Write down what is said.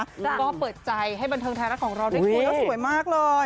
ก็เปิดใจให้บันเทิงไทยรัฐของเราได้คุยแล้วสวยมากเลย